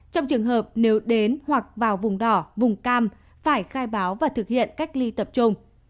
trong trường hợp nếu đến hoặc vào vùng đỏ vùng cam phải khai báo và thực hiện cách ly tập trung